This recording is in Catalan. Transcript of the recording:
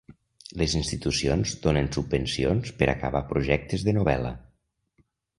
Les institucions donen subvencions per acabar projectes de novel·la.